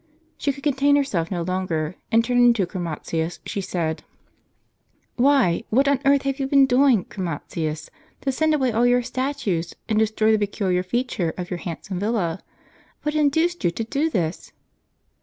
She could contain herself no longer, and turning to Chromatius, she said : "Why, what on earth have you been doing, Chromatius, to send away all your statues, and destroy the peculiar feature of your handsome villa? What induced you to do this?"